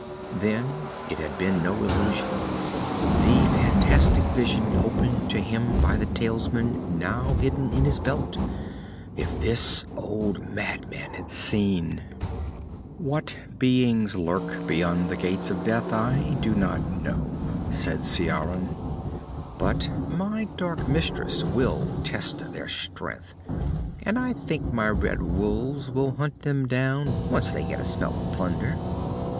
Then it had been no illusion, the fantastic vision opened to him by the talisman now hidden in his belt! If this old madman had seen.... "What beings lurk beyond the Gates of Death I do not know," said Ciaran. "But my dark mistress will test their strength and I think my red wolves will hunt them down, once they get a smell of plunder."